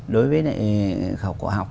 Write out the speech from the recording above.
đối với này khảo cổ học